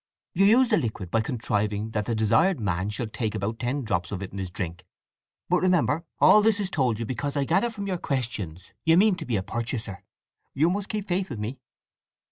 You use the liquid by contriving that the desired man shall take about ten drops of it in his drink. But remember, all this is told you because I gather from your questions that you mean to be a purchaser. You must keep faith with me?"